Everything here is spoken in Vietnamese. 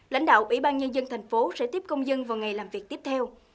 lãnh đạo ủy ban nhân dân thành phố sẽ tiếp công dân vào ngày làm việc tiếp theo